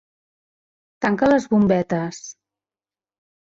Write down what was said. Tanca les bombetes.